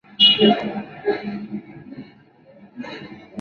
Es la capital de la Parroquia Faría.